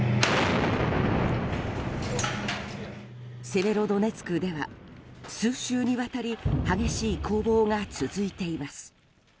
セベロドネツクでは数週にわたり激しい攻防が続いています。